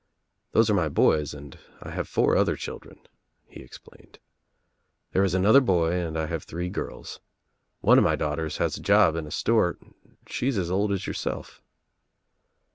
"Those are my boys and I have four other children," he explained. "There is an other boy and I have three girls. One of my daughters has a job in a store. She is as old as yourself."